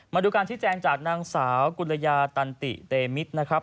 มาดูการชี้แจงจากนางสาวกุลยาตันติเตมิตรนะครับ